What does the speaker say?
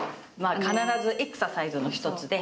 必ずエクササイズの一つで。